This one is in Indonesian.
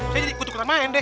saya jadi kutukan main deh